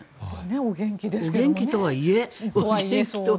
お元気とはいえ。